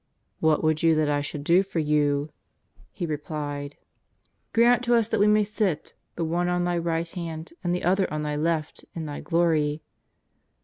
" What would you that I should do for you ?" He re plied. 298 JESUS OF NAZARETH. 299 ^^ Grant to us that we may sit, the one on Thy right hand and the other on Thy left in Thy glory."